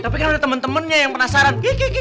tapi kalau ada temen temennya yang penasaran